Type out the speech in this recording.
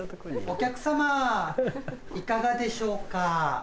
お客さまいかがでしょうか？